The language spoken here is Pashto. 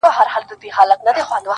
د کلونو مسافر یم د ښکاریانو له شامته -